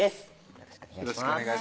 よろしくお願いします